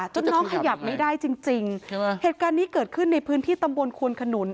จนน้องขยับไม่ได้จริงจริงใช่ไหมเหตุการณ์นี้เกิดขึ้นในพื้นที่ตำบลควนขนุน